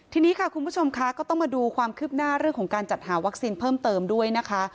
ทีนี้ค่ะคุณผู้ชมค่ะก็ต้องมาดูความคืบหน้าเรื่องของการจัดหาวัคซีนเพิ่มเติมด้วยนะคะ